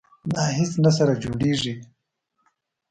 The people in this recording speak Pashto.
دا هیڅ نه سره جوړیږي.